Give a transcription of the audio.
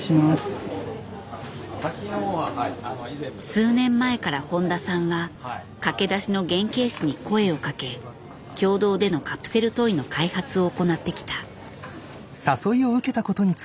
数年前から誉田さんは駆け出しの原型師に声をかけ共同でのカプセルトイの開発を行ってきた。